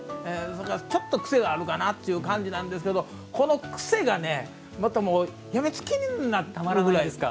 それから癖がちょっとあるかなって感じなんですけどこの癖がまたやみつきになってたまらない。